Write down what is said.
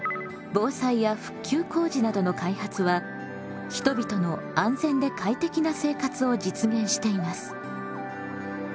防災や復旧工事などの開発は人々の安全で快適な生活を実現しています。